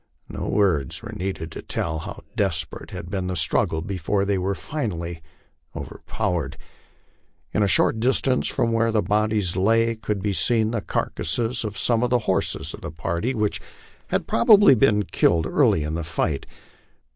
No words were needed to tell how desperate had been the struggle before they were finally overpowered. At a short distance from where the bodies lay, could be seen the carcasses of some of the horses of the party, which had probably been killed early in the fight.